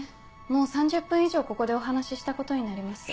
もう３０分以上ここでお話ししたことになります。